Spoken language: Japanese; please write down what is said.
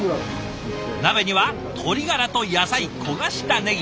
鍋には鶏がらと野菜焦がしたねぎ。